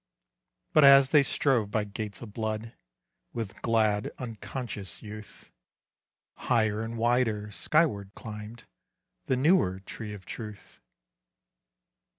But as they strove by gates of blood, With glad unconscious youth, Higher and wider skyward climbed The newer tree of truth.